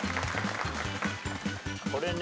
これね